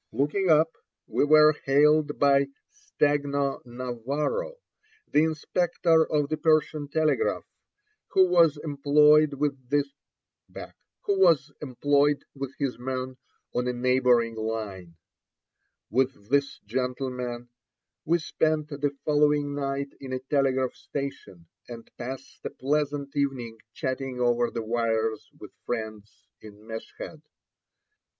Looking up, we were hailed by Stagno Navarro, the inspector of the Persian telegraph, who was employed with his men on a neighboring line. With this gentleman we spent the following night in a telegraph station, and passed a pleasant evening chatting over the wires with friends in Meshed.